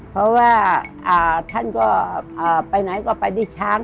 เพราะว่าท่านไปไหนก็ได้กินช้าง